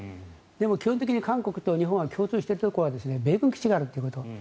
でも基本的に韓国と日本が共通しているのは米軍基地があるということ。